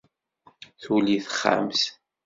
Tuli texxamt.